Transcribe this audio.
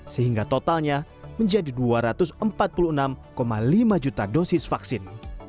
sehingga totalnya menjadi dua ratus empat puluh enam lima juta dosis vaksin